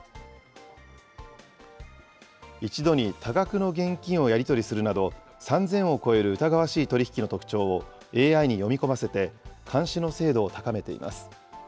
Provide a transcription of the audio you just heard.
一度に多額の現金をやり取りするなど、３０００を超える疑わしい取り引きの特徴をＡＩに読み込ませて監視の精度を高めています。